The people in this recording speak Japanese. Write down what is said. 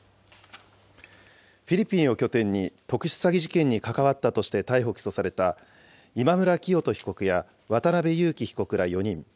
フィリピンを拠点に特殊詐欺事件に関わったとして逮捕・起訴された今村磨人被告や渡邉優樹被告ら４人。